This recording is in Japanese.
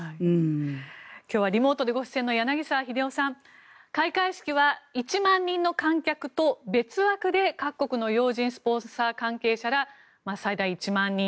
今日はリモートでご出演の柳澤秀夫さん開会式は１万人の観客と別枠で各国の要人スポンサー、関係者ら最大１万人。